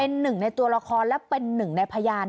เป็นหนึ่งในตัวละครและเป็นหนึ่งในพยาน